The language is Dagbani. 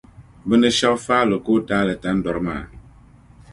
bɛ ni shɛb’ faai lu kootaali tandɔri maa.